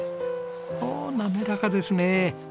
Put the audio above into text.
お滑らかですねえ。